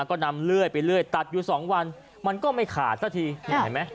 ก็นำเลื่อยไปเรื่อยตัดอยู่สองวันมันก็ไม่ขาดสักทีนี่เห็นไหม